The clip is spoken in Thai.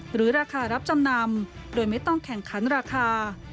หรือราคารับจำนำโดยไม่ต้องแข่งขันราคา